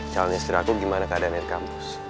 calon istri aku gimana keadaan di kampus